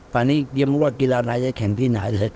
ตอนนี้ยังไม่รู้ว่ากีฬาไหนจะแข่งที่ไหนเลย